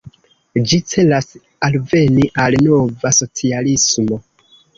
Ĝi celas alveni al nova socialismo.